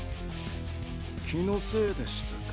気のせいでしたか。